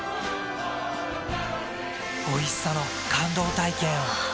おいしさの感動体験を。